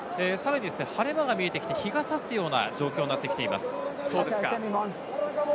晴れ間が見えてきて、日が差すような状況になってきています。